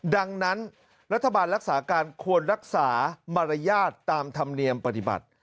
ดังนั้นรัฐบาลรักษาการควรรักษามารยาทตามธรรมเนียมปฏิบัติ